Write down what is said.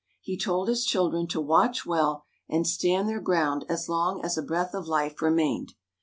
He told his children to watch well, and stand their ground as long as a breath of life remained.